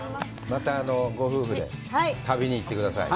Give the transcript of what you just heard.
またご夫婦で旅に行ってください。